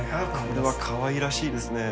これはかわいらしいですね。